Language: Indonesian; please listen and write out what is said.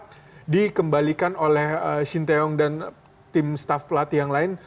cepat dikembalikan oleh shin tae yong dan tim staf pelatih yang lain